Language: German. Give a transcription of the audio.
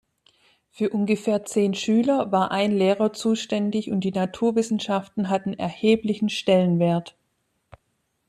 Für ungefähr zehn Schüler war ein Lehrer zuständig und die Naturwissenschaften hatten erheblichen Stellenwert.